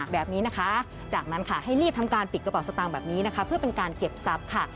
แบบนี้นะคะจากนั้นค่ะให้รีบทำการปิดกระเป๋าสตางค์แบบนี้นะคะเพื่อเป็นการเก็บทรัพย์ค่ะ